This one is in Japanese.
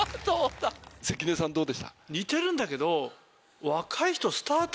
関根さんどうでした？